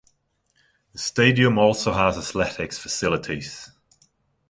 The stadium also has athletics facilities.